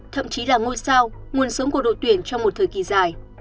thậm chí là ngôi sao nguồn sống của đội tuyển trong một thời kỳ dài